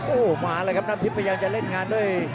โอ้มาแล้วกับน้ำทริพยังจะเล่นงานด้วย